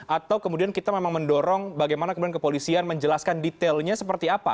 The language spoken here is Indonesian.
atau kemudian kita memang mendorong bagaimana kemudian kepolisian menjelaskan detailnya seperti apa